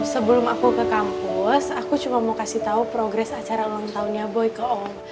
sebelum aku ke kampus aku cuma mau kasih tau progres acara ulang tahunnya boy ke om